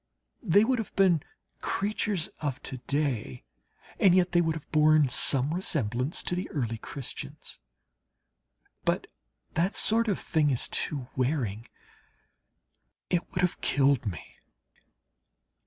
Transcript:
They would have been creatures of to day and yet they would have borne some resemblance to the early Christians. But that sort of thing is too wearing, it would have killed me.